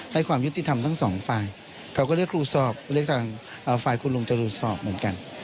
ให้ความยุติธรรมทั้งสองฝ่ายเขาก็เรียกครูสอบเรียกทางฝ่ายคุณลุงจรูนสอบเหมือนกัน